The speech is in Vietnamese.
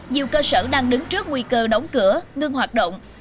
nhiều cơ sở đang đứng trước nguy cơ đóng cửa ngưng hoạt động